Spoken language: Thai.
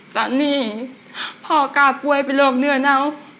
แต่นี่พ่อกล้าป่วยไปโรคเนื้อเนา